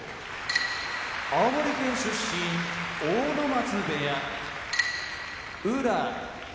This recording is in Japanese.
青森県出身阿武松部屋宇良